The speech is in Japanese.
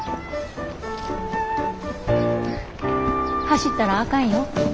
走ったらあかんよ。